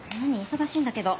忙しいんだけど。